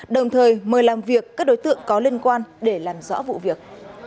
đồng thời mời làm việc các đối tượng có liên quan để làm rõ vụ việc